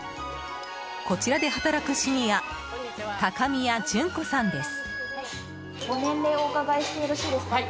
こちらで働くシニア高宮淳子さんです。